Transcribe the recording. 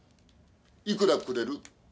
いくらくれる？